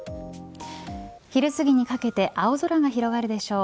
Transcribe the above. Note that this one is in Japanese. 昼すぎにかけて青空が広がるでしょう。